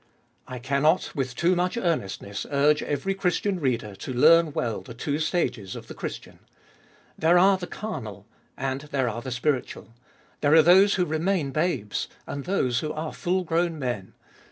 I cannot with too much earnestness urge every Christian reader to learn well the two stages of the Christian. There are the carnal, and there are the spiritual ; there are those who remain babes, and those who are full grown men.